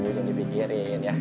bisa dipikirin ya